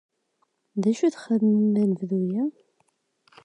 D acu i txedmem anebdu-a?